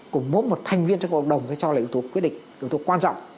cùng mốt một thành viên trong cộng đồng cho lợi ứng tố quyết định lợi ứng tố quan trọng